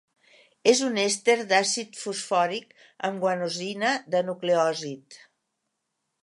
És un èster d'àcid fosfòric amb guanosina de nucleòsid.